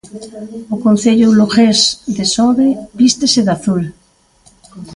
O concello lugués de Xove vístese de azul.